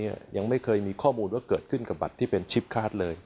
ยังไม่เคยมีข้อมูลว่าเกิดขึ้นกับบัตรที่เป็นชิปคาร์ดเลย